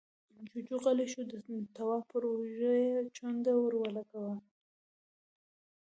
جُوجُو غلی شو، د تواب پر اوږه يې چونډۍ ور ولګوله: